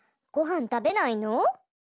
ごはんたべないの？